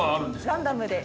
ランダムで。